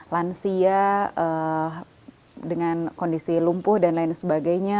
lansia dengan kondisi lumpuh dan lain sebagainya